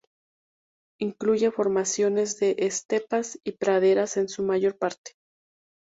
Incluye formaciones de estepas y praderas, en su mayor parte.